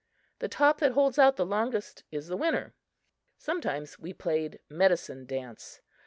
The top that holds out the longest is the winner. Sometimes we played "medicine dance."